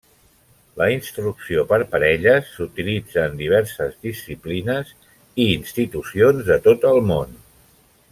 La instrucció per parelles s'utilitza en diverses disciplines i institucions de tot el món.